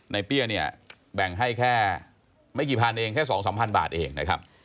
เปี้ยเนี่ยแบ่งให้แค่ไม่กี่พันเองแค่๒๓พันบาทเองนะครับ